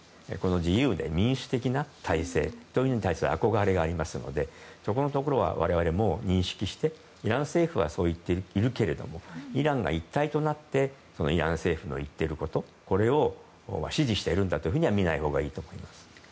自由で民主的な体制に対する憧れがありますのでそこのところは我々も認識して、イラン政府はそういっているけどもイランが一体となってイラン政府の言っていることこれを支持しているんだと見ないほうがいいと思います。